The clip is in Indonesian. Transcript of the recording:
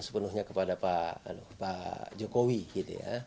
sepenuhnya kepada pak jokowi